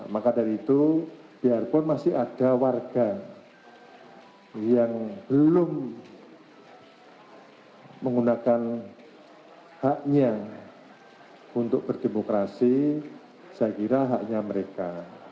maka dari itu biarpun masih ada warga yang belum menggunakan haknya untuk berdemokrasi saya kira haknya mereka